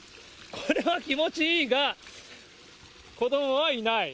これは気持ちいいが、子どもはいない。